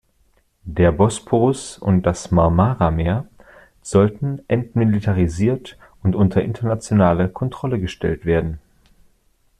Der Bosporus und das Marmarameer sollten entmilitarisiert und unter internationale Kontrolle gestellt werden.